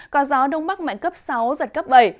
có gió đông bắc mạnh cấp sáu giật cấp bảy